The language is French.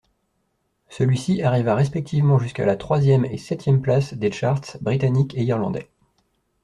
Celui-ci arriva respectivement jusqu'à la troisième et septième place des charts britanniques et irlandais.